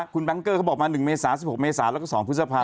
คุณปั๊งเกอร์เขาบอกมา๑เมศ๑๖เมศและ๒พฤษภา